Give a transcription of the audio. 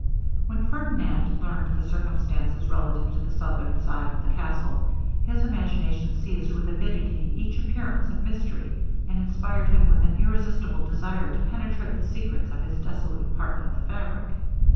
When Ferdinand learned the circumstances relative to the southern side of the castle, his imagination seized with avidity each appearance of mystery, and inspired him with an irresistible desire to penetrate the secrets of his desolate part of the fabric.